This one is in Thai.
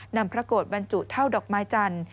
พระโกรธบรรจุเท่าดอกไม้จันทร์